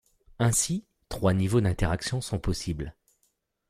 Ainsi, trois niveaux d'interactions sont possibles.